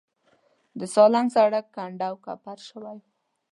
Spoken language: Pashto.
د سالنګ سړک کنډو کپر شوی و.